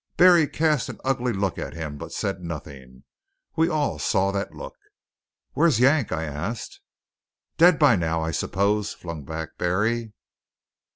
Barry cast an ugly look at him, but said nothing. We all saw that look. "Where's Yank?" I asked. "Dead by now, I suppose," flung back Barry.